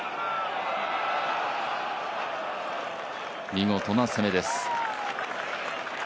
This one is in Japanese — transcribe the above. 見事な攻めです。